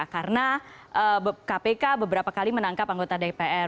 karena kpk beberapa kali menangkap anggota dpr